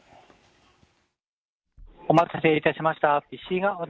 お待たせいたしました。